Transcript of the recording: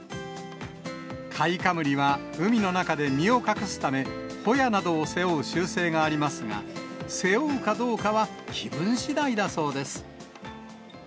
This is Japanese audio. カイカムリは海の中で身を隠すため、ホヤなどを背負う習性がありますが、背負うかどうかは気分しだいだそうです。